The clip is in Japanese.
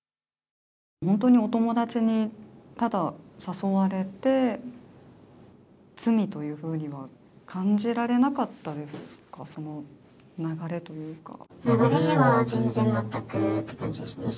本当にお友達にただ、誘われて罪とは感じられなかったですか、その流れというか。